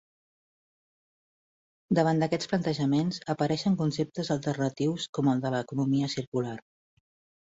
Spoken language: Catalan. Davant d'aquests plantejaments apareixen conceptes alternatius com el de l'Economia Circular.